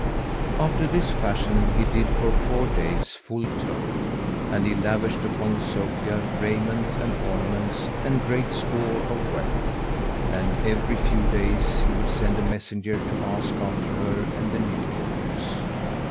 After this fashion he did for four days full told, and he lavished upon Sophia raiment and ornaments and great store of wealth; and, every few days he would send a messenger to ask after her and the new borns.